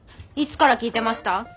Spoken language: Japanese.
いつから聞いてました？